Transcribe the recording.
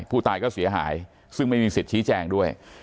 ผู้ตายก็เสียหายซึ่งไม่มีสิทธิ์ชี้แจงด้วย